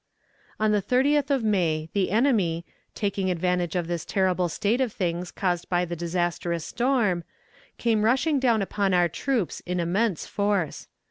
On the thirtieth of May the enemy, taking advantage of this terrible state of things caused by the disastrous storm, came rushing down upon our troops in immense force.